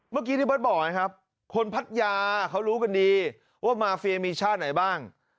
เมื่อกี้ที่เบิร์ตบอกนะครับคนพัทยาเขารู้กันดีว่ามาเฟียมีชาติไหนบ้าง